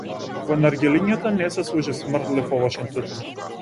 Во наргилињата не се служи смрдлив овошен тутун.